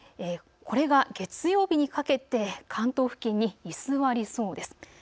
これが月曜日にかけて関東付近に居座りそうです。